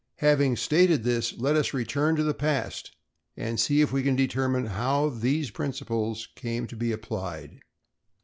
Having stated this, let us return to the past and see if we can determine how these principles came to be applied.